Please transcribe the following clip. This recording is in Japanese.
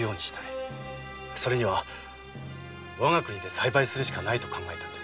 それには我が国で栽培するしかないと考え。